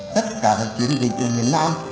tất cả các chuyến dịch ở miền nam